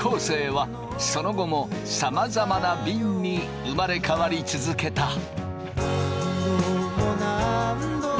生はその後もさまざまなびんに生まれ変わり続けた。